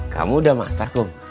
kamu udah masak kum